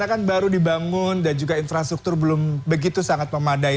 karena kan baru dibangun dan juga infrastruktur belum begitu sangat memadai